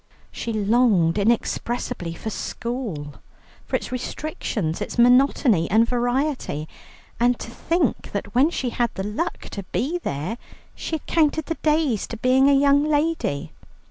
She longed inexpressibly for school, for its restrictions, its monotony and variety. And to think that when she had the luck to be there, she had counted the days to being a young lady.